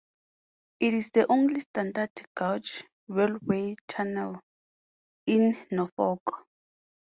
It is the only standard gauge railway tunnel in Norfolk.